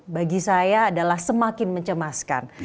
bagi saya adalah semakin mencemaskan